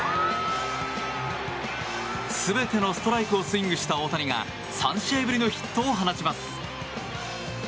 全てのストライクをスイングした大谷が３試合ぶりのヒットを放ちます。